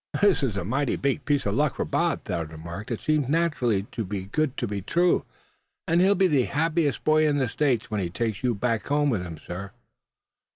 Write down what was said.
"This is a mighty big piece of luck for Bob!" Thad remarked. "It seems nearly too good to be true; and he'll be the happiest boy in the States when he takes you back home with him, sir."